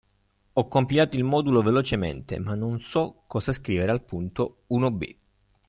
Ho compilato il modulo velocemente, ma non so cosa scrivere al punto uno b.